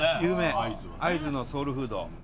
会津のソウルフード。